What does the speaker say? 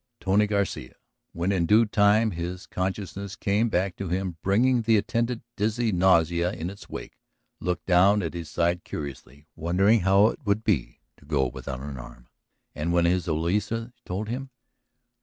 Tony Garcia, when in due time his consciousness came back to him bringing the attendant dizzy nausea in its wake, looked down at his side curiously, wondering how it would be to go without an arm. And when his Eloisa told him.